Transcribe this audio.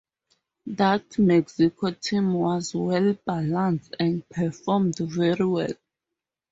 That Mexico team was well balanced, and performed very well.